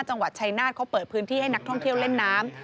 จังหวัดชายนาฏเขาเปิดพื้นที่ให้นักท่องเที่ยวเล่นน้ำ